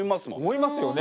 思いますよね。